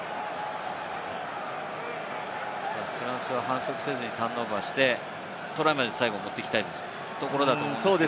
フランスは反則せずにターンオーバーして、トライまで最後持っていきたいところだと思いますね。